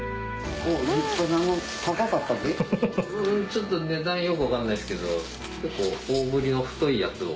ちょっと値段よくわかんないですけど結構大ぶりの太いやつを。